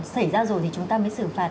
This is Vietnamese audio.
xảy ra rồi thì chúng ta mới xử phạt